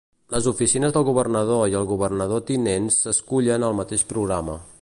Les oficines del governador i el governador tinent s'escullen al mateix programa.